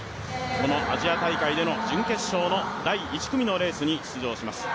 このアジア大会での準決勝の第１組のレースに出場します。